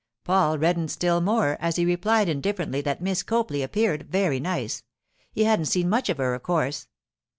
Paul reddened still more, as he replied indifferently that Miss Copley appeared very nice. He hadn't seen much of her, of course.